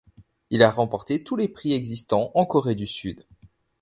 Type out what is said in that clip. Il a remporté tous les prix existant en Corée du Sud.